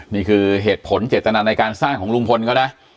นี่คือเหตุผลเจตนาในการสร้างของลุงพลเขานะ